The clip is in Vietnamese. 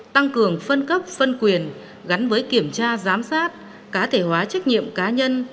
tăng cường phân cấp phân quyền gắn với kiểm tra giám sát cá thể hóa trách nhiệm cá nhân